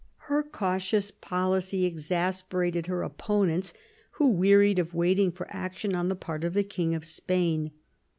Her cautious policy exasperated her opponents, who wearied of waiting for action on the part of the King of Spain.